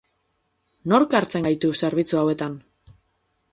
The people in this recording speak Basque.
Nork hartzen gaitu zerbitzu hauetan?